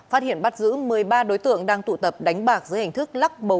phát hiện bắt giữ một mươi ba đối tượng đang tụ tập đánh bạc dưới hình thức